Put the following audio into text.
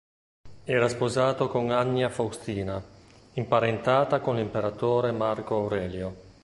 Era sposato con Annia Faustina, imparentata con l'imperatore Marco Aurelio.